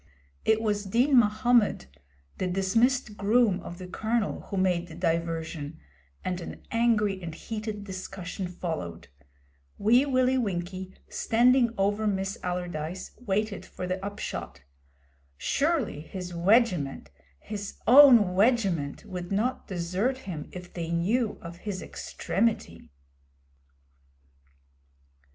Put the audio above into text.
It was Din Mahommed, the dismissed groom of the Colonel, who made the diversion, and an angry and heated discussion followed. Wee Willie Winkie, standing over Miss Allardyce, waited the upshot. Surely his 'wegiment,' his own 'wegiment,' would not desert him if they knew of his extremity.